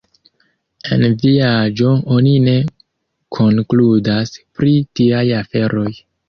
En via aĝo oni ne konkludas pri tiaj aferoj.